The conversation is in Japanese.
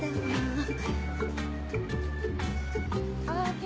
ああ。